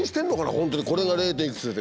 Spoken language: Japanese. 本当に。